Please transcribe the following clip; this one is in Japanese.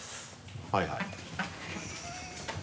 はいはい。